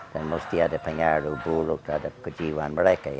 dan mesti ada pengaruh buruk ada kejiwaan